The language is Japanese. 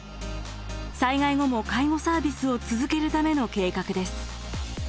災害後も介護サービスを続けるための計画です。